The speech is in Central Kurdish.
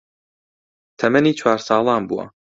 تەمەنی چوار ساڵان بووە